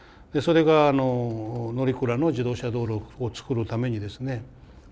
それが乗鞍の自動車道路を造るためにですね